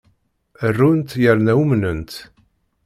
Runt yerna umnent.